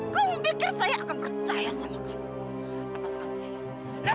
kamu pikir saya akan percaya sama kamu